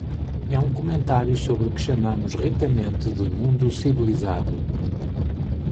É um comentário sobre o que chamamos ricamente de mundo civilizado.